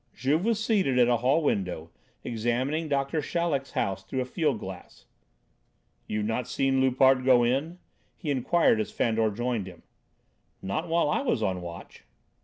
Juve was seated at a hall window examining Doctor Chaleck's house through a field glass. "You've not seen Loupart go in?" he inquired as Fandor joined him. "Not while I was on watch."